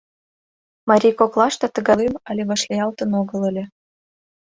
Марий коклаште тыгай лӱм але вашлиялтын огыл ыле.